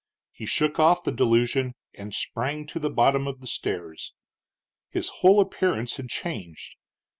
He shook off the delusion and sprang to the bottom of the stairs. His whole appearance had changed.